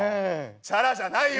チャラじゃないよ！